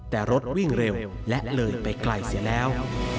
แต่รถวิ่งเร็วและเลยไปไกลเสียแล้ว